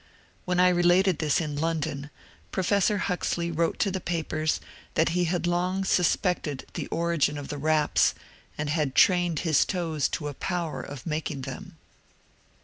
When I related this in London, Professor Huxley wrote to the papers that he had long suspected the origin of the raps and had trained his toes to a power of making them.